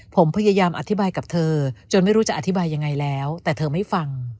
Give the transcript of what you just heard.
ผมพยายามอธิบายกับเธอจนไม่รู้จะอธิบายยังไงแล้วแต่เธอไม่ฟัง